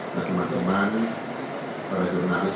dan teman teman para jurnalis